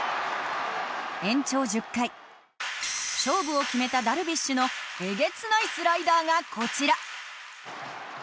延長１０回勝負を決めたダルビッシュのえげつないスライダーがこちら。